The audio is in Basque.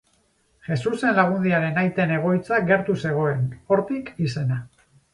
Jesusen Lagundiaren aiten egoitza gertu zegoen, hortik izena.